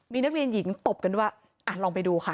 มีนักเรียนหญิงตบกันด้วยอ่ะลองไปดูค่ะ